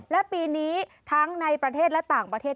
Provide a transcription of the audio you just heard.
และปีนี้ทั้งในประเทศและต่างประเทศ